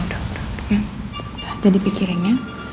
udah ada di pikirinnya